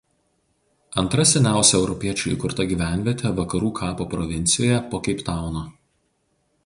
Antra seniausia europiečių įkurta gyvenvietė Vakarų Kapo provincijoje po Keiptauno.